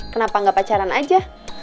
kenapa gak pacaran aja